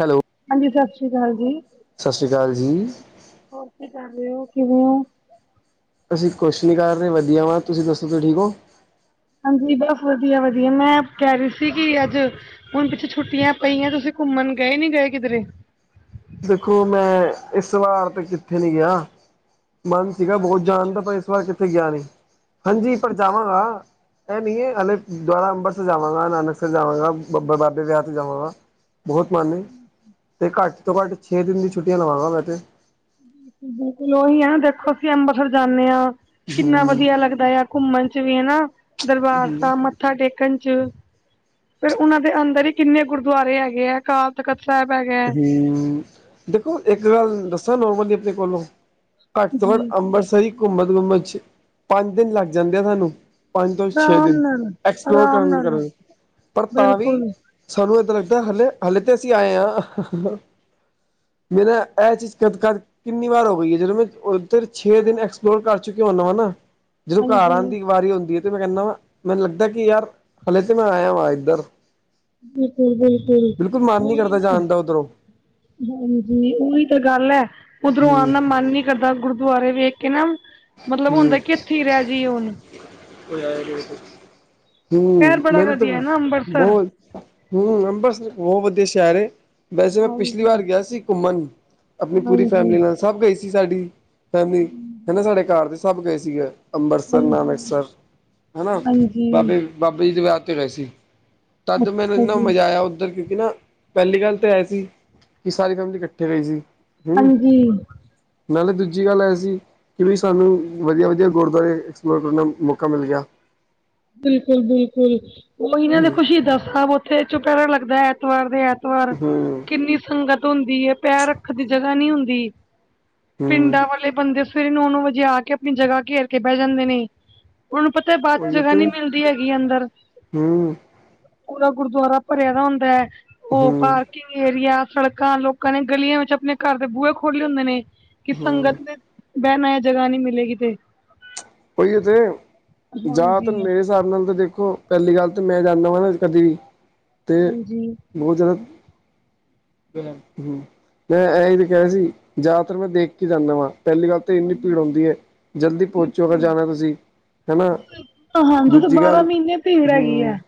Hello. ਹਾਂਜੀ। ਸਤਿ ਸ਼੍ਰੀ ਅਕਾਲ ਜੀ। ਸਤਿ ਸ਼੍ਰੀ ਅਕਾਲ ਜੀ। ਹੋਰ ਕੀ ਕਰ ਰਹੇ ਹੋ। ਕਿਵੇਂ ਹੋ? ਅਸੀਂ ਕੁਛ ਨਹੀਂ ਕਰ ਰਹੇ ਵਧੀਆ ਵਾ। ਤੁਸੀਂ ਦੱਸੋ ਤਾਂ ਠੀਕ ਹੋ? ਹਾਂਜੀ ਬਸ ਵਧੀਆ ਵਧੀਆ। ਮੈਂ ਕਹਿ ਰਹੀ ਸੀ ਕਿ ਅੱਜ ਹੁਣ ਪਿੱਛੇ ਛੁੱਟੀਆਂ ਪਈਆਂ। ਤੁਸੀਂ ਘੁੰਮਣ ਗਏ ਨੀ ਗਏ ਕਿਧਰੇ? ਦੇਖੋ ਮੈਂ ਇਸ ਵਾਰ ਤੇ ਕਿੱਥੇ ਨੀ ਗਿਆ। ਮਨ ਸੀਗਾ ਬਹੁਤ ਜਾਣ ਦਾ। ਪਰ ਇਸ ਵਾਰ ਕਿੱਥੇ ਗਿਆ ਨੀ। ਹਾਂਜੀ ਪਰ ਜਾਵਾਂਗਾ ਇਹ ਨਹੀਂ ਹੈ। ਹਲੇ ਦੁਆਰਾ ਅੰਬਰਸ ਜਾਵਾਂਗਾ, ਨਾਨਕ ਸਰ, ਜਾਵਾਂਗਾ ਬਾਬੇ ਦੇ ਵਿਆਹ ਤੇ ਜਾਵਾਂਗਾ। ਬਹੁਤ ਮਨ ਐ। ਤੇ ਘੱਟ ਤੋਂ ਘੱਟ ਛੇ ਦਿਨ ਦੀ ਛੁੱਟੀਆਂ ਲਵਾਂਗਾ। ਮੈਂ ਤੇ ਬਿਲਕੁਲ-ਬਿਲਕੁਲ ਉਹੀ ਹੈ ਨਾ ਦੇਖੋ ਅਸੀਂ ਅੰਮ੍ਰਿਤਸਰ ਜਾਂਦੇ ਹਾਂ ਕਿੰਨਾ ਹੂੰ ਵਧੀਆ ਲੱਗਦਾ ਆ। ਘੁੰਮਣ ਚ ਵੀ ਹਨਾ ਦਰਬਾਰ ਸਾਹਿਬ ਮੱਥਾ। ਮੱਥਾ ਟੇਕਣ ਚ ਫਿਰ ਉਹਨਾਂ ਦੇ ਅੰਦਰ ਹੀ ਕਿੰਨੇ ਗੁਰਦੁਆਰੇ ਹੈਗੇ ਹੈ ਕਾ। ਤਖ਼ਤ ਸਾਹਿਬ ਹੈੈ ਗਿਆ। ਹਮ ਦੇਖੋ ਇੱਕ ਗੱਲ ਦੱਸਾਂ ਨੋਰਮਲੀ ਆਪਣੇ ਕੋਲੋਂ। ਘੱਟ ਤੋਂ ਘੱਟ ਜੀ ਅੰਮ੍ਰਿਤਸਰ ਹੀ ਘੁੰਮਣ ਘੁੰਮਣ ਚ ਪੰਜ ਦਿਨ ਲੱਗ ਜਾਂਦੇ ਆ ਸਾਨੂੰ। ਪੰਜ ਤੋਂ ਛੇ ਆਰਾਮ ਦਿਨ ਨਾਲ ਐਕਸਪਲੋਰ ਆਰਾਮ ਕਰਨ ਨਾਲ ਕਰਨ ਪਰ ਤਾਂ ਵੀ। ਬਿਲਕੁਲ ਸਾਨੂੰ ਏਦਾ ਲੱਗਦਾ ਹਲੇ ਹਲੇੇ ਤਾਂ ਅਸੀਂ ਆਏ ਹਾਂ। ਮੈ ਨਾ ਇਹ ਚੀਜ਼ ਕਦ-ਕਦ। ਕਿੰਨੀ ਵਾਰ ਹੋ ਗਈ ਹੈ ਜਦੋਂ ਮੈਂ ਉੱਧਰ ਛੇ ਦਿਨ ਐਕਸਪਲੋਰ ਕਰ ਚੁੱਕਿਆ ਹੁੰਦਾ ਵਾਂ ਨਾ। ਜਦੋਂ ਘਰ ਹਾਂਜੀ ਆਉਣ ਦੀ ਵਾਰੀ ਹੁੰਦੀ ਹੈ ਤੇ ਮੈਂ ਕਹਿੰਦਾ ਵਾ ਮੈਨੂੰ ਲੱਗਦਾ ਕਿ ਯਾਰ ਹਲੇ ਤੇ ਮੈਂ ਆਇਆ ਵਾਂ ਇੱਧਰ। ਬਿਲਕੁਲ ਬਿਲਕੁਲ ਮਨ ਨੀ ਉਹੀ ਕਰਦਾ ਨਾ। ਜਾਣ ਦਾ ਉੱਧਰੋਂ ਉਹੀ ਤਾਂ ਗੱਲ ਹੈ ਉਧਰੋਂ ਹੂੰ ਆਉਂਦਾ। ਮਨ ਨੀ ਕਰਦਾ ਗੁਰਦੁਆਰੇ ਵੇਖ ਕੇ ਨਾ ਮਤਲਬ ਹੂੰ ਹੁੰਦਾ ਕਿ ਇੱਥੇ ਈ ਰਹਿ ਜਾਈਏ ਹੁਣ। ਹ ਸ਼ਹਿਰ ਬੜਾ ਮੈਨ ਤਾਂ ਵਧੀਆ ਹੈ ਨਾ ਅੰਬਰਸਰ ਬਹੁਤ [inaudible] ਹਮ ਅੰਬਰਸਰ ਬਹੁਤ ਵਧੀਆ ਸ਼ਹਿਰ ਹੈ ਵੈਸੇ ਮੈਂ ਪਿਛਲੀ ਹਾਂਜੀ ਵਾਰ ਗਿਆ ਸੀ ਘੁੰਮਣ। ਆਪਣੀ ਪੂਰੀ ਹਾਂਜੀ ਫੈਮਿਲੀ ਨਾਲ ਸਭ ਗਈ ਸੀ ਸਾਡੀ ਫੈਮਿਲੀ ਹਨਾ ਸਾਡੇ ਘਰ ਦੇ ਸਭ ਗਏ ਸੀਗੇ। ਅੰਮਬਰਸਰ ਹਾਂਜੀ ਨਾਨਕਸਰ। ਹਨਾ ਹਾਂਜੀ ਬਾਬੇ, ਬਾਬੇ ਜੀ ਦੇ ਵਿਆਹ ਤੇ ਗਏ ਸੀ ਤਦ ਮੈਨੂੰ ਅੱਛਾ ਇੰਨਾ ਜੀ ਮਜ਼ਾ ਆਇਆ ਉੱਧਰ। ਇਨਾ ਪਹਿਲੀ ਗੱਲ ਤੇ ਏ ਸੀ ਸਾਰੀ ਫੈਮਲੀ ਇਕੱਠੇ ਰਹੇ ਸੀ। ਹੂੰ ਹਾਂਜੀ ਨਾਲੇ ਦੂਜੀ ਗੱਲ ਇਹ ਸੀ ਕਿ ਵੀ ਸਾਨੂੰ ਵਧੀਆ-ਵਧੀਆ ਗੁਰਦੁਆਰੇ ਐਕਸਪਲੋਰ ਕਰਨ ਦਾ ਮੌਕਾ ਮਿਲ ਗਿਆ। ਬਿਲਕੁਲ ਬਿਲਕੁਲ ਉਹੀ ਨਾ ਦੇਖੋ ਸ਼ਹੀਦਾਂ ਸਾਹਿਬ ਉਥੇ ਚੋਪਹਿਰਾ ਲੱਗਦਾ ਐਤਵਾਰ ਦੇ ਐਤਵਾਰ। ਵਾਰ ਹੂੰ, ਕਿੰਨੀ ਸੰਗਤ ਹੁੰਦੀ ਏ ਪੈਰ ਰੱਖਣ ਦੀ ਜਗ੍ਹਾ ਨੀ ਹੁੰਦੀ। ਹੂੰ। ਪਿੰਡਾਂ ਵਾਲੇ ਬੰਦੇ। ਫਿਰ ਨੋ ਨੋ ਵਜੇ ਆ ਕੇ ਕੇ ਆਪਣੀ ਜਗ੍ਹਾ ਘੇਰ ਕੇ ਬਹਿ ਜਾਂਦੇ ਨੇ। ਉਹਨਾਂ ਨੂੰ ਪਤਾ ਬਾਅਦ ਚ ਉਹੀ ਜਗ੍ਹਾ ਨੀ ਤੇ ਮਿਲਦੀ ਹੈਗੀ ਅੰਦਰ। ਹੂੰ, ਪੂਰਾ ਗੁਰਦੁਆਰਾ ਭਰਿਆ ਦਾ ਹੁੰਦਾ ਹੈ ਉਹ ਹੂੰ, ਬਾਹਰ। ਕਿਵੇਂ ਏਰੀਆ ਸੜਕਾਂ ਲੋਕਾਂ ਨੇ ਗਲੀਆਂ ਵਿੱਚ ਆਪਣੇ ਘਰ ਦੇ ਬੂਹੇ ਖੋਲੇ ਹੁੰਦੇ ਨੇ। ਕਿਸ ਹੂੰ ਸੰਗਤ ਦੇ ਬਹਿਣ ਜਗਾ ਨਹੀਂ ਮਿਲੇਗੀ ਕਿਤੇ। ਉਹੀਏ ਤੇੇ ਜਾ ਤ ਮੇਰੇ। ਹਿਸਾਬ ਨਾਲ ਤਾਂ ਦੇਖੋ ਪਹਿਲੀ ਗੱਲ ਤਾਂ ਮੈਂ ਜਾਂਦਾ ਵਾਂ ਨਾ ਕਦੀ, ਤੇ ਹਾਂਜੀ, ਬਹੁਤ ਜ਼ਿਆਦਾ। ਹੂੰ ਤੇ ਮੈਂ ਇਹੀ ਤੇ ਕਿਹਾ ਸੀ ਜ਼ਿਆਤਰ ਮੈਂ ਦੇਖ ਕੇ ਜਾਂਦਾ ਵਾਂ। ਪਹਿਲੀ ਗੱਲ ਤੇ ਇੰਨੀ ਭੀੜ ਹੁੰਦੀ ਏ ਜਲਦੀ ਪਹੁੰਚ। ਤੋ ਅਗਰ ਜਾਣਾ ਤੁਸੀਂ ਹੈ ਨਾ ਹਾਂਜੀ ਤੇ ਅੱਜ ਬਾਰਾਂ ਕੱਲ ਮਹੀਨੇ ਭੀੜ ਹੈਗੀ ਹੈ। ਹੂੰ।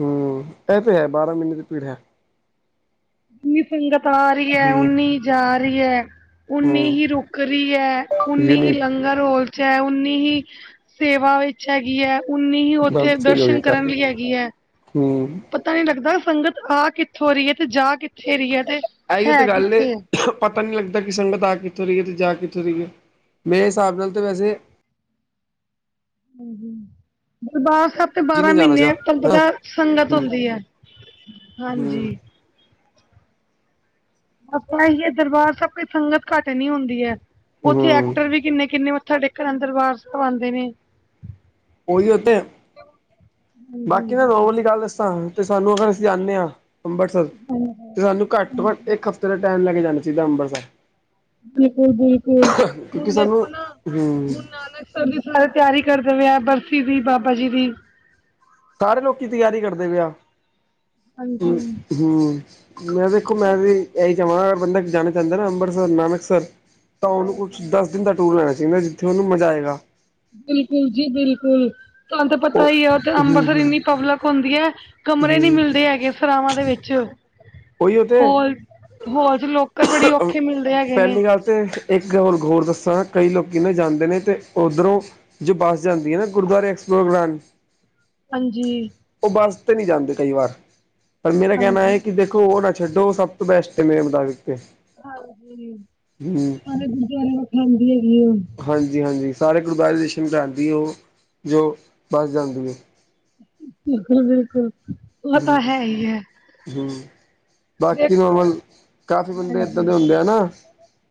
ਹਮ ਇਹ ਤੇ ਹੈ ਬਾਰਾਂ ਮਹੀਨੇ ਦੀ ਭੀੜ ਹੈ। ਜਿੰਨੀ ਸੰਗਤ ਆ ਰਹੀ ਹੈ ਹੂੰ, ਉਨੀ ਜਾ ਰਹੀ ਹੈ। ਉਨੀ ਹੂੰ ਹੀ ਰੁੱਕ ਰਹੀ ਐ ਉਨੀ ਹੀ ਯੂਨੀਕ ਲੰਗਰ ਔਰ। ਚੈ ਉਨੀ ਹੀ ਸੇਵਾ ਵਿੱਚ ਹੈਗੀ ਐ। ਉਨੀ ਹੀ ਉੱਥੇ ਬਸ ਸਹੀ ਹੋ ਦਰਸ਼ਨ ਕਰਨ ਗਈ ਲਈ ਹੈਗੀ ਐ। ਹੂੰ ਪਤਾ ਨਹੀਂ ਲੱਗਦਾ ਸੰਗਤ ਆ ਕਿੱਥੋਂ ਰਹੀ ਹੈ ਤੇ ਜਾ ਕਿੱਥੇ ਰਹੀ ਹੈ। ਆਹੀ ਤੇ ਹੈ ਗੱਲ ਏ। ਕਿੱਥੇ ਹੈ। ਪਤਾ ਨਹੀਂ ਲੱਗਦਾ ਕਿ ਸੰਗਤ ਆ ਕਿੱਥੋਂ ਰਹੀ ਹੈ ਅਤੇ ਜਾ ਕਿੱਥੋਂ ਰਹੀਏ ਮੇਰੇ ਹਿਸਾਬ ਨਾਲ ਤਾਂ ਵੈਸੇ। ਦਰਬਾਰ ਸਾਹਿਬ ਤਾਂ ਜੀ ਬਾਰਾਂ ਨੇ ਜਾਣਾ ਸੀਗਾ ਮਹੀਨੇ ਤੁਹਨੂੰ ਹਨਾ। ਪਤਾ ਸੰਗਤ ਹੂੰ ਹੁੰਦੀ ਐ। ਹਾਂਜੀ ਹੂੰ ਬਈ ਐ ਦਰਬਾਰ ਸਭ ਕੋਈ ਸੰਗਤ ਘੱਟ ਨੀ ਹੁੰਦੀ ਐ ਉੱਥੇ ਹੂੰ ਐਕਟਰ ਵੀ ਕਿੰਨੇ-ਕਿੰਨੇ। ਸਾਡੇ ਘਰਾਂ ਵਿੱਚ ਦਰਬਾਰ ਸਾਹਿਬ ਆਉਂਦੇ ਨੇ। ਉਹੀ ਓਤੇ, ਹਾਂਜੀ ਬਾਕੀ ਨਾ ਰੋ ਵਾਲੀ ਗੱਲ ਦੱਸਾਂ ਤੇ ਸਾਨੂੰ ਅਗਰ ਅਸੀਂ ਜਾਂਨੇ ਆ। ਅੰਬਰਸਰ ਹਾਂਜੀ। ਸਾਨੂੰ ਘੱਟ ਤੋਂ ਘੱਟ ਇੱਕ ਹਫਤੇ ਟਾਈਮ ਲੈ ਕੇ ਜਾਣਾ ਚਾਹੀਦਾ ਅੰਬਰਸਰ ਬਿਲਕੁਲ-ਬਿਲਕੁਲ, ਕਿਉਂਕਿ ਹੁਣ ਸਾਨੂੰ ਦੇਖੋ ਨਾ ਹੂੰ ਹੁਣ ਨਾਨਕ ਸਰ ਜੀ ਸਾਰੇ ਤਿਆਰੀ ਕਰਦੇ ਪਏ ਆ ਬਰਸੀ ਦੀ ਬਾਬਾ ਜੀ ਦੀ। ਕਰ ਲੋਕੀ ਤਿਆਰੀ ਕਰਦੇ ਪਏ ਆ ਹਾਂਜੀ ਮੈਂ ਵੇਖੋ ਮੈਂ ਵੀ ਇਹੀ ਚਾਵਾਂਗਾ ਬੰਦਾ ਜਾਣਾ ਚਾਹੁੰਦਾ ਨਾ ਅੰਮ੍ਰਿਤਸਰ ਨਾਨਕ ਸਰ ਤਾਂ ਉਹਨੂੰ ਕੁਛ ਦਸ ਦਿਨ ਦਾ ਟੂਰ ਲੈਣਾ ਚਾਈਦਾ ਜਿੱਥੇ ਉਹਨੂੰ ਮਜ਼ਾ ਆਏਗਾ। ਬਿਲਕੁਲ ਜੀ ਬਿਲਕੁਲ ਤੁਹਾਨੂੰ ਤਾਂ ਉਹ ਪਤਾ ਈ ਹੈ ਉਥੇ ਹੂੰ ਅੰਮਬਰਸਰ ਹੂੰ ਇੰਨੀ ਪਬਲਿਕ ਹੁੰਦੀ ਹੈ। ਕਮਰੇ ਨੀ ਹੂੰ ਮਿਲਦੇ ਹੈਗੇ ਸਰਾਵਾਂ ਦੇ ਵਿੱਚ ਉਹੀ ਉਹ ਤੇ ਹੋਲ ਹੋਲਸ ਲੋਕਰ ਬੜੇ ਔਖੇ ਮਿਲਦੇ ਹੈਗੇ ਨੇ ਪਹਿਲੀ ਗੱਲ ਤੇ ਇੱਕ ਹੋਰ ਹੋਰ ਦੱਸਾਂ ਕਈ ਲੋਕੀ ਨਾ ਜਾਂਦੇ ਨੇ ਤੇ ਉੱਧਰੋਂ ਜੋ ਬਸ ਜਾਂਦੀ ਗੁਰਦੁਆਰੇ ਐਕਸਗਰਾਂਡ ਹਾਂਜੀ। ਉਹ ਬੱਸ ਤੇ ਨਹੀਂ ਜਾਂਦੇ ਕਈ ਵਾਰ ਪਰ ਮੇਰਾ ਕਹਿਣਾ ਹਾਂਜੀ ਇਹ ਕਿ। ਉਹ ਨਾ ਛੱਡੋ ਸਭ ਤੋਂ ਬੈਸਟ ਕਿੰਨੇ [unintelligible] ਦਿੱਤੇ ਹਾਂਜੀ [unintelligible] ਹਾਂਜੀ-ਹਾਂਜੀ ਸਾਰੇ ਗੁਰਦੁਆਰੇ ਦਸ਼ਨ ਕਰਦੀ ਏ ਉਹ ਜੋ ਬੱਸ ਜਾਂਦੀ ਏ। ਬਿਲਕੁਲ-ਬਿਲਕੁਲ। ਹੂ ਹੂ ਬਾਕੀ ਦੇਖੋ ਨੋਮਲ ਨਾ ਕਾਫੀ ਬੰਦੇ ਏਦਾਂ ਹਾਂਜੀ ਦੇ ਹੁੰਦੇ ਆ ਨਾ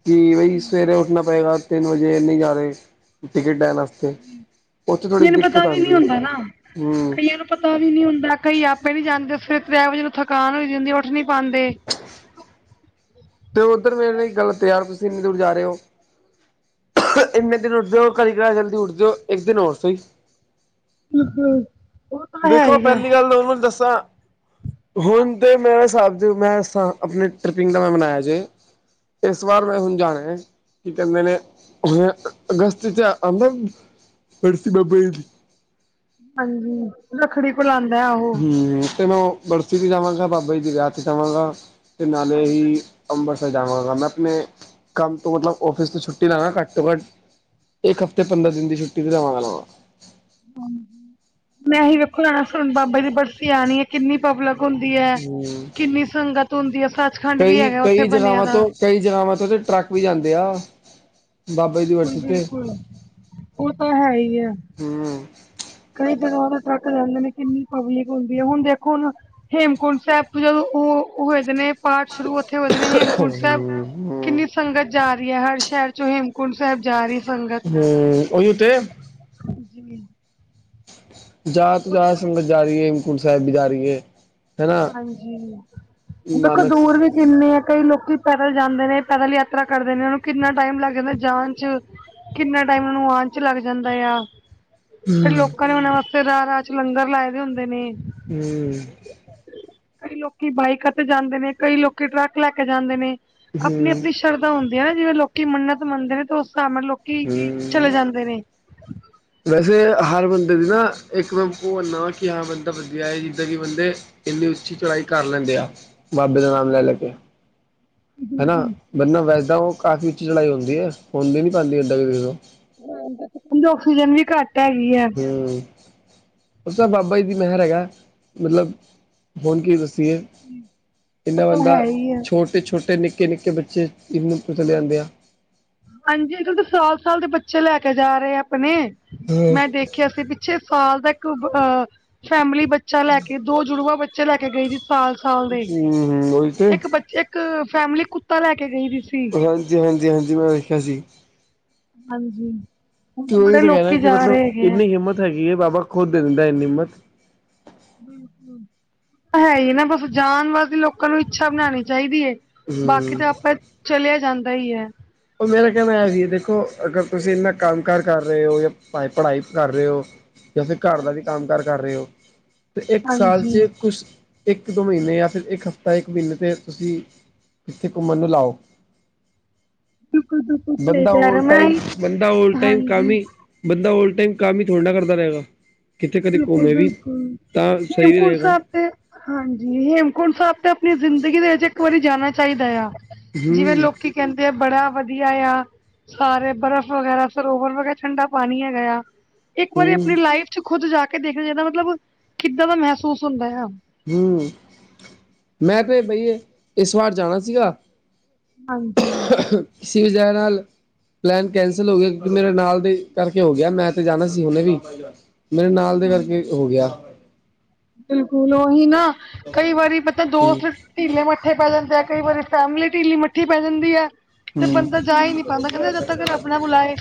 ਕਿ ਬਈ ਸਵੇਰੇ ਉੱਠਣਾ ਪਏਗਾ ਤਿੰਨ ਵਜੇ ਨਹੀਂ ਜਾ ਰਹੇ ਟਿਕਟ ਹੈ। ਉਥੇ ਥੋੜੀ ਕਈਆਂ ਨੂੰ ਦਿੱਕਤ ਪਤਾ ਵੀ ਨਹੀਂ ਆਉਂਦੀ ਹੁੰਦਾ ਨਾ ਹੂ ਕਈਆਂ ਨੂੰ ਪਤਾ ਵੀ ਨਹੀਂ ਹੁੰਦਾ ਕਈ ਆਪੇ ਨਹੀਂ ਜਾਂਦੇ ਫਿਰ ਡਰਾਈਵਿੰਗ ਨੂੰ ਥਕਾਨ ਹੋਈ ਜਾਂਦੀ ਉੱਠ ਨਹੀਂ ਪਾਂਦੇ [inaudible] 'ਤੇ ਉੱਧਰ ਮੇਰੇ ਲਈ ਗੱਲ ਤਿਆਰ ਤੁਸੀਂ ਇੰਨੀ ਦੂਰ ਜਾ ਰੇ ਓ। ਇੰਨੇ ਦਿਨ ਉਠਦੇ ਹੋ ਕਈ ਗਰਾਰ ਉਠਦੇ ਹੋ ਇੱਕ ਦਿਨ ਹੋਰ ਸਹੀ [unintelligible] ਤਾਂ ਹੈ ਦੇਖੋ ਹੀ ਆ ਪਹਿਲੀ ਗੱਲ ਉਹਨਾਂ ਦੱਸਾਂ ਹੁਣ ਤੇ ਮੇਰੇ ਹਿਸਾਬ ਦੇ ਇਸ ਸਾਲ ਆਪਣੇ ਟ੍ਰਿਪਿੰਗ ਦਾ ਮੈਂ ਮਨਾਇਆ ਜੇ ਇਸ ਵਾਰ ਮੈਂ ਸਮਝਾਇਆ। ਕੀ ਕਹਿੰਦੇ ਨੇ ਹੈ ਅਗਸਤ ਆਂਦਾ ਪਿੰਡ ਚ ਬਾਬਾ ਜੀ ਹਾਂਜੀ ਲੱਕੜੀ ਖੁਲਾਂਦਾ ਆਹੋ। ਹਮ ਤੇ ਉਹ ਬਰਸੀ ਤੇ ਜਾਵਾਂਗਾ ਬਾਬਾ ਜੀ ਦੇ ਵਿਆਹ 'ਚ ਜਾਵਾਂਗਾ ਤੇ ਨਾਲੇ ਹੀ ਅੰਬਰਸਰ ਜਾਵਾਂਗਾ ਮੈਂ ਆਪਣੇ ਕੰਮ ਤੋਂ ਮਤਲਬ ਆਫਿਸ ਤੇ ਛੁੱਟੀ ਨਾ ਘੱਟ ਤੋਂ ਘੱਟ ਇੱਕ ਹਫਤੇ ਪੰਦਰਾਂ ਦਿਨ ਦੀ ਛੁੱਟੀ ਵੀ ਲਵਾਂਗਾ ਨਾਲ ਮੈਂ ਹੀ ਵੇਖੋ ਜਾਣਾ ਸੁਣ ਬਾਬਾ ਜੀ ਦੀ ਬਰਸੀ ਆਣੀ ਏ। ਕਿੰਨੀ ਪਬਲਿਕ ਹੁੰਦੀ ਹੈ ਹਮ ਕਿੰਨੀ ਸੰਗਤ ਹੁੰਦੀ ਹੈ ਸੱਚਖੰਡ ਵੀ ਕਈ ਹੈਗਾ ਉੱਥੇ ਕਈ ਬਣਿਆ ਜਗ੍ਹਾਵਾਂ ਦਾ। ਤੋਂ ਕਈ ਜਗਹਾ ਤੋਂ ਟਰੱਕ ਵੀ ਜਾਂਦੇ ਆ ਬਾਬਾ ਜੀ ਦੀ ਬਰਸੀ ਤੇ ਬਿਲਕੁਲ-ਬਿਲਕੁਲ ਉਹ ਤਾਂ ਹੈ ਹੀ ਹੈ। ਹੂ,,, ਕਈ ਜਗ੍ਹਾ ਟਰੱਕ ਰਹਿੰਦੇ ਕਿੰਨੀ ਪਬਲਿਕ ਹੁੰਦੀ ਹੁਣ ਦੇਖੋ ਨਾ ਹੇਮਕੁੰਟ ਸਾਹਿਬ ਜਦੋਂ ਉਹ ਹੋਇ ਦੇ ਨੇ ਪਾਠ ਸ਼ੁਰੂ ਉੱਥੇ ਹੋਏ ਨੇ ਹਮ ਹੇਮਕੁੰਟ ਸਾਹਿਬ ਹਮ ਹਮ ਕਿੰਨੀ ਸੰਗਤ ਜਾ ਰਹੀ ਹੈ ਹਰ ਸ਼ਹਿਰ ਚੋ ਹੇਮਕੁੰਟ ਸਾਹਿਬ ਜਾ ਰਹੀ ਸੰਗਤ। ਉਹਈ ਤੇ ਜੀ। ਜਾ ਤਾਂ ਜਾ ਉੱਥੇ ਵੀ ਸੰਗਤ ਜਾ ਰਹੀ ਏ ਹੇਮਕੁੰਟ ਸਾਹਿਬ ਵੀ ਜਾ ਰਹੀ ਏ। ਹਾਂਜੀ ਦੇਖੋ ਨਾਨਕ ਦੂਰ ਇੰਨੇ ਆ ਕਈ ਲੋਕੀ ਪੈਦਲ ਜਾਂਦੇ ਨੇ ਪੈਦਲ ਯਾਤਰਾ ਕਰਦੇ ਨੇ ਉਹਨੂੰ ਕਿੰਨਾ ਟਾਈਮ ਲੱਗ ਜਾਂਦਾ ਜਾਣ ਚ। ਕਿੰਨਾ ਟਾਈਮ ਨੂੰ ਆਣ ਚ ਲੱਗ ਜਾਂਦਾ ਆ ਫਿਰ ਹਮ ਲੋਕਾਂ ਨੇ ਉਹਨਾਂ ਵਾਸਤੇ ਰਾ-ਰਾ 'ਚ ਲੰਗਰ ਲਾਏ ਦੇ ਹੁੰਦੇ ਨੇ। ਹੂ,,, ਕਈ ਲੋਕੀ ਬਾਈਕਾਂ ਤੇ ਜਾਂਦੇ ਨੇ ਕਈ ਲੋਕੀ ਟਰੱਕ ਲੈ ਕੇ ਜਾਂਦੇ ਨੇ ਹਮ ਆਪਣੀ-ਆਪਣੀ ਸ਼ਰਧਾਂ ਹੁੰਦੀ ਆਂ ਨਾ ਜਿਵੇਂ ਲੋਕੀ ਮੰਨਤ ਮੰਨਦੇ ਨੇ, ਤੇ ਉਸ ਹਿਸਾਬ ਨਾਲ ਲੋਕੀ ਚਲੇ ਹਮ ਜਾਂਦੇ ਨੇ। ਵੈਸੇ, ਹਰ ਬੰਦੇ ਦੀ ਨਾ ਇੱਕ ਨਾ ਕਿਹਾ ਬੰਦਾ ਕਿ ਬੰਦੇ ਇੰਨੀ ਉੱਚੀ ਚੜਾਈ ਕਰ ਲੈਂਦੇ ਆ, ਬਾਬੇ ਦਾ ਨਾਮ ਲੈਣ ਲੱਗੇ ਹਨਾ। ਬੰਨਾ, ਵੈਸੇ ਉਹ ਕਾਫ਼ੀ ਉੱਚੀ ਚੜਾਈ ਹੁੰਦੀ ਹੈ ਹੁੰਣ ਵੀ ਨੀ ਪਾਉਂਦੀ ਵੀ ਦੇਖੋ। ਸਮਝੋ, ਆਕਸੀਜਨ ਵੀ ਘੱਟ ਹੈਗੀ। ਹੂੰ। ਉਸ ਤਾ ਬਾਬਾ ਜੀ ਦੀ ਮਹਿਰ ਹੈਗਾ, ਮਤਲਬ ਹੁਣ ਕੀ ਦੱਸੀਏ? ਉਹ ਇਹਨਾ ਤਾਂ ਬੰਦਾ ਹੈ ਹੀ ਹੈ ਛੋਟੇ-ਛੋਟੇ, ਨਿੱਕੇ-ਨਿੱਕੇ ਬੱਚੇ ਇਹਨੂੰ ਪੁਛ ਲਿਆਂਂਦੇ ਆ। ਹਾਂਜੀ ਅੰਕਲ, ਸਾਲ ਸਾਲ ਦੇ ਬੱਚੇ ਲੈ ਕੇ ਜਾ ਰਹੇ ਆ ਆਪਣੇ ਹਮ ਮੈਂ ਕਿ ਅਸੀਂ ਪਿੱਛੇ ਸਾਲ ਦਾ ਇੱਕ ਫੈਮਿਲੀ ਬੱਚਾ ਲੈ ਕੇ, ਦੋ ਜੁੜੂਗਾ ਬੱਚੇ ਲੈ ਕੇ ਗਏ। ਸਾਲ-ਸਾਲ ਦੇ, ਹੂੰ ਉਹੀ ਤੇ ਇੱਕ ਬੱਚੇ, ਇੱਕ ਫੈਮਲੀ ਕੁੱਤਾ ਲੈ ਕੇ ਗਈ ਵੀ ਸੀ। ਹਾਂਜੀ, ਹਾਂਜੀ। ਹਾਂਜੀ ਮੈਂ ਵੇਖਿਆ ਸੀ। ਹਾਂਜੀ। ਹੁਣ ਤੇ ਉਹੀ ਬੜੇ ਤਾਂ ਕਹਿਣਾ ਲੋਕੀ ਕਿ ਜਾ ਮਤਲਬ ਰਹੇ ਹੈਗੇ ਹੈ ਇੰਨੀ ਹਿੰਮਤ ਹੈਗੀ ਹੈ, ਬਾਬਾ ਖੁਦ ਦੇ ਦਿੰਦਾ ਇੰਨੀ ਹਿੰਮਤ। ਹੈ ਹੀ ਨਾ ਬਸ, ਜਾਣ ਵਾਸਤੇ ਲੋਕਾਂ ਨੂੰ ਇੱਛਾ ਬਣਾਉਣੀ ਚਾਹੀਦੀ ਹੈ। ਬਾਕੀ ਹੂੰ ਤਾਂ ਆਪਾਂ, ਚਲਿਆ ਜਾਂਦਾ ਹੀ ਹੈ। ਉਹ ਮੇਰਾ ਕਹਿਣਾ ਇਹ ਸੀ ਦੇਖੋ, ਅਗਰ ਤੁਸੀਂ ਇੰਨਾ ਕੰਮ ਕਾਰ ਕਰ ਰਹੇ ਹੋ ਜਾਂ ਪੜ੍ਹਾਈ ਕਰ ਰਹੇ ਹੋ ਵੈਸੇ, ਘਰ ਦਾ ਵੀ ਕੰਮ ਹਾਂਜੀ ਕਾਰ ਕਰ ਰਹੇ ਹੋ ਤੇ ਇੱਕ ਸਾਲ ਹਾਂਜੀ ਚ ਕੁਛ ਇੱਕ ਦੋ ਮਹੀਨੇ ਜਾਂ ਫੇਰ ਇੱਕ ਹਫਤਾ, ਇੱਕ ਮਹੀਨੇ ਤੇ ਤੁਸੀਂ ਕਿੱਥੇ ਘੁੰਮਣ ਨੂੰ ਲਾਓ। ਬਿਲਕੁਲ ਬਿਲਕੁਲ ਸਹੀ ਬੰਦਾ ਕਹਿ ਓਲ ਰਹੇ ਮੈਂ ਟਾਈਮ, ਬੰਦਾ ਓਲ ਟਾਈਮ ਕੰਮ ਹਾਂਜੀ ਹੀ, ਬੰਦਾ ਓਲ ਟਾਈਮ ਕੰਮ ਹੀ ਥੋੜਾ ਨਾ ਕਰਦਾ ਰਹੇਗਾ। ਕਿਥੇ, ਕਿਥੇ ਬਿਲਕੁਲ ਘੁੰਮੇ ਵੀ, ਬਿਲਕੁਲ ਤਾਂ ਸਹੀ ਵੀ ਹੇਮਕੁੰਟ ਰਹੇਗਾ। ਸਾਹਿਬ ਤੇ ਹਾਂਜੀ ਹੇਮਕੁੰਟ ਸਾਹਿਬ ਤੇ, ਆਪਣੀ ਜ਼ਿੰਦਗੀ ਦੇ ਵਿੱਚ ਇੱਕ ਵਾਰੀ ਜਾਣਾ ਚਾਹੀਦਾ ਆ। ਜਿਵੇਂ ਹੂੰ, ਲੋਕੀ ਕਹਿੰਦੇ ਆ, ਬੜਾ ਵਧੀਆ ਆ। ਸਾਰੇ ਬਰਫ਼ ਵਗੈਰਾ, ਸਰੋਵਰ ਮੈ ਕਿਆ ਠੰਡਾ ਪਾਣੀ ਹੈਗਾ ਆ। ਇੱਕ ਵਾਰੀ ਹੂੰ, ਆਪਣੀ ਲਾਈਫ ਚ ਖੁੱਦ ਜਾ ਕੇ ਦੇਖਣਾ ਚਾਹੀਦਾ ਮਤਲਬ, ਕਿੱਦਾਂ ਦਾ ਮਹਿਸੂਸ ਹੁੰਦਾ ਆ? ਹਮ, ਮੈਂ ਤੇ ਬਈ ਇਸ ਵਾਰ ਜਾਣਾ ਸੀਗਾ। ਹਾਂਜੀ। ਸਿੱਖ ਜਾਏ ਨਾਲ [unintelligible] ਪਲੈਨ ਕੈਂਸਲ ਹੋ ਗਿਆ ਕਿਉਂਕਿ ਮੇਰੇ ਨਾਲ ਦੇ ਕਰਕੇ ਹੋ ਗਿਆ, ਮੈਂ ਤੇ ਜਾਣਾ ਸੀ ਹੁਨੇ ਵੀ। ਮੇਰੇ ਨਾਲ ਦੇ ਕਰਕੇ, ਹੋ ਗਿਆ। ਬਿਲਕੁਲ, ਉਹੀ ਨਾ ਕਈ ਵਾਰੀ ਪਤਾ ਹੂੰ, ਦੋਸਤ ਢੀਲੇ ਮੱਠੇ ਪੈ ਜਾਂਦੇ ਆ, ਕਈ ਵਾਰੀ ਫੈਮਲੀ ਢੀਲੀ ਮੱਠੀ ਪੈ ਜਾਂਦੀ ਹੈ। ਤੇ ਹੂੰ। ਬੰਦਾ ਜਾ ਹੀ ਨਹੀਂ ਪਾਉਂਦਾ ਕਹਿੰਦਾ, ਜਦੋ ਤਕ ਰਬ ਨਾ ਬੁਲਾਏ।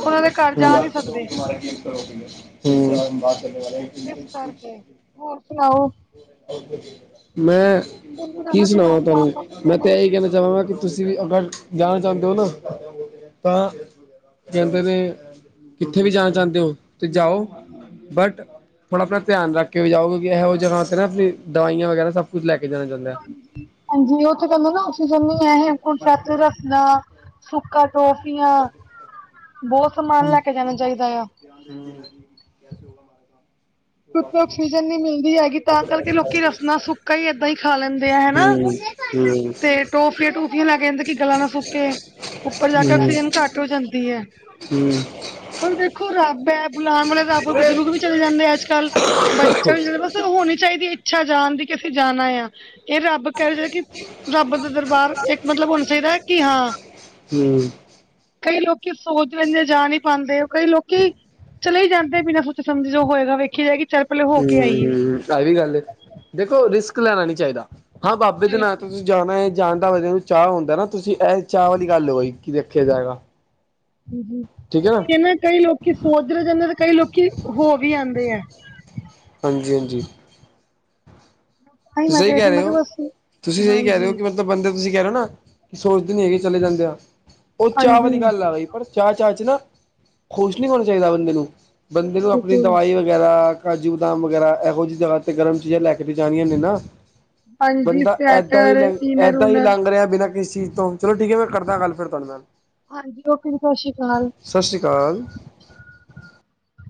ਉਹਨਾਂ ਦੇ ਘਰ ਜਾ ਨਹੀਂ ਸਕਦੇ। [unintelligible] [unintelligible] ਇਸ ਕਰਕੇ, ਹੋਰ ਸੁਣਾਓ? ਮੈਂ ਹੁਣ ਕੀ ਬਣਾਣਾ ਸੁਣਾਵਾਂ ਪਲਾਨ ਜਾਣ ਤੁਹਾਨੂੰ, ਦਾ ਕਿਤੇ ਮੈਂ ਨੇ ਤੇ ਇਹੀ ਕਹਿਣਾ ਚਾਹਵਾਂਗਾ ਕਿ ਤੁਸੀਂ ਵੀ ਅਗਰ ਜਾਣਾ ਚਾਹੁੰਦੇ ਹੋ ਨਾ? ਤਾਂ ਕਹਿੰਦੇ ਨੇ, ਕਿੱਥੇ ਵੀ ਜਾਣਾ ਚਾਹੁੰਦੇ ਹੋ ਤੇ ਜਾਓ। ਬਟ ਥੋੜ੍ਹਾ ਆਪਣਾ ਧਿਆਨ ਰੱਖ ਕੇ ਜਾਓ, ਕਿਉਂਕਿ ਇਹੋ ਜਗਾ 'ਤੇ ਨਾ ਆਪਣੀ ਦਵਾਈਆਂ, ਵਗੈਰਾ ਸਭ ਕੁਛ ਲੈ ਕੇ ਜਾਣਾ ਚਾਹੀਦਾ। ਹਾਂਜੀ, ਉਥੇ ਤੁਹਾਨੂੰ ਨਾ ਆਕਸੀਜਨ ਨਹੀਂ ਹੈ, ਹੇਮਕੁੰਡ ਸਾਹਿਬ ਰਸਤੇ ਨਾ। ਸੁੱਕਾ, ਟੋਫੀਆਂ ਬਹੁਤ ਸਮਾਨ ਲੈ ਕੇ ਜਾਣਾ ਚਾਹੀਦਾ ਆ। ਧ ਕੈਸੇ ਕਿਉਂਕਿ ਹੋਗਾ ਆਕਸੀਜਨ ਨਹੀਂ ਮਿਲਦੀ ਮਾਰਾ ਹੈਗੀ ਤਾਂ ਕਰਕੇ ਲੋਕੀ ਕੰਮ ਰਸਨਾ ਸੁੱਕਾ ਹੀ ਏਦਾਂ ਹੀ [unintelligible] ਖਾ ਲੈਂਦੇ ਆ ਹਨਾ ਹਮ। ਹਮ। ਤੇ ਟੋਫੀਆਂ, ਟੁਫੀਆਂ ਲੈ ਕੇ ਕਹਿੰਦੇ ਕਿ ਗਲਾ ਨਾ ਸੁਕੇੇ, ਉੱਪਰ ਜਾ ਕੇ ਹੂੰ ਆਕਸੀਜਨ ਘੱਟ ਹੋ ਜਾਂਦੀ ਹੈ। ਪਰ ਦੇਖੋ, ਰੱਬ ਹੈ ਬੁਲਾਉਣ ਵਾਲੇ ਰੱਬ ਬਜ਼ੁਰਗ ਵੀ ਚਲੇ ਜਾਂਦੇ ਅੱਜ ਕੱਲ੍ਹ, ਬੱਚਾ ਵੀ ਬਸ, ਹੋਣੀ ਚਾਹੀਦੀ ਹੈ ਇੱਛਾ ਜਾਣ ਦੀ ਕਿ ਅਸੀਂ ਜਾਣਾ ਆ। ਇਹ, ਰੱਬ ਕਹਿ ਰਹੇ ਕਿ ਰੱਬ ਦਾ ਦਰਬਾਰ ਇੱਕ ਮਤਲਬ ਹੋਣਾ ਚਾਹੀਦਾ ਹੈ, ਕਿ ਹਾਂ। ਹੂੰ ਕਈ ਲੋਕੀ ਸੋਚ ਲੈਂਦੇ ਜਾ ਨਹੀਂ ਪਾਂਦੇ, ਕਈ ਲੋਕੀ ਚਲੇ ਹੀ ਜਾਂਦੇ ਬਿਨਾਂ ਸੋਚੇ, ਸਮਝੇ ਜੋ ਹੋਇਗਾ ਵੇਖੀ ਜਾਏਗੀ। ਚੱਲ ਪਹਿਲੇ ਹੋ ਹੂੰ, ਕੇ ਆਈਏ ਹੂੰ, ਆ ਵੀ ਗੱਲ ਏ, ਦੇਖੋ ਰਿਸਕ ਲੈਣਾ ਨੀ ਚਾਹੀਦਾ, ਹਾਂ ਬਾਬੇ ਦੇ ਨਾਂ ਤੁਸੀਂ ਜਾਣਾ ਏ, ਜਾਣਦਾ ਬੰਦੇ ਨੂੰ ਚਾਅ ਹੁੰਦਾ ਨਾ, ਤੁਸੀਂ ਐ ਚਾਅ ਵਾਲੀ ਗੱਲ ਹੋਈ, ਕੀ ਦੇਖਿਆ ਜਾਇਗਾ। ਓਹੀ ਏ ਨਾ, ਕਈ ਲੋਕੀ ਸੋਚਦੇ ਰਹੇ ਜਾਂਦੇ, ਤੇ ਕਈ ਲੋਕੀ ਹੋਵੀ ਆੰਦੇ ਆ। ਹਾਂਜੀ-ਹਾਂਜੀ। ਤਾਂਹੀ ਮੈਂ ਸਹੀ ਕਿਹਾ ਸੀ ਕਹਿ ਰਹੇ ਮੈਂ ਕਿਹਾ ਹੋ, ਬਸ ਤੁਸੀਂ ਸਹੀ ਕਹਿ ਰਹੇ ਹਾਂਜੀ ਹੋ ਕਿ ਮ ਤਾਂ ਬੰਦੇ ਤੁਸੀਂ ਕਹਿ ਰਹੇ ਹੋ ਨਾ, ਕਿ ਸੋਚਦੇ ਨੀ ਹੈਗੇ ਚਲੇ ਜਾਂਦੇ ਆ, ਉਹ ਚਾਹ ਹਾਂਜੀ ਵਾਲੀ ਗੱਲ ਆ ਗਈ, ਪਰ ਚਾਅ-ਚਾਅ'ਚ ਨਾ ਖੁਸ਼ ਨਹੀਂ ਹੋਣਾ ਚਾਹੀਦਾ ਬੰਦੇ ਨੂੰ, ਬੰਦੇ ਨੂੰ ਆਪਣੀ ਬਿਲਕੁਲ ਦਵਾਈ ਵ ਵਗੈਰਾ, ਕਾਜੂ, ਬਦਾਮ ਵਗੈਰਾ ਇਹੋ ਜਿਹੀ ਜਗ੍ਹਾ ਤੇ ਗਰਮ ਚੀਜ਼ਾਂ ਲੈਕੇ ਤੇ ਜਾਣੀਆਂ ਨੇ ਨਾ। ਹਾਂਜੀ ਬੰਦਾ ਏਦਾਂ ਹੀ ਸਵੈਟਰ ਲ, ਇਨਰ ਏਦਾਂ ਹੀ ਉਨਰ ਲੰਘ ਰਿਹਾ ਬਿਨਾਂ ਕਿਸ ਚੀਜ਼ ਤੋਂ। ਚਲੋ ਠੀਕ ਏ, 'ਮੈਂ' ਕਰਦਾ ਗੱਲ ਫੇਰ ਤੁਹਾਡੇ ਨਾਲ। ਹਾਂਜੀ, ਓਕੇ ਜੀ। ਸਤਿ ਸ਼੍ਰੀ ਅਕਾਲ। ਸਤਿ ਸ਼੍ਰੀ ਅਕਾਲ।